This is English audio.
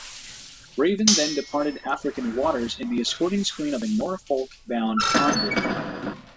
"Raven" then departed African waters in the escorting screen of a Norfolk-bound convoy.